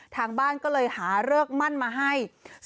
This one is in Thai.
ทางบ้านก็เลยหาเลิกมั่นมาให้